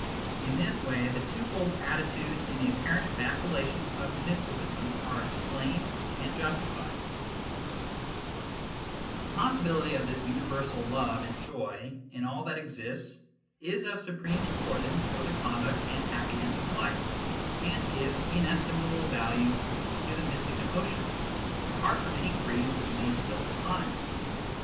In this way the twofold attitude and the apparent vacillation of mysticism are explained and justified. 20 MYSTICISM AND LOGIC The possibility of this universal love and joy in all that exists is of supreme importance for the conduct and happiness of life, and gives inestimable value to the mystic emotion, apart from any creeds which may be built upon it.